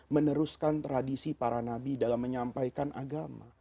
meneruskan tradisi para nabi dalam menyampaikan agama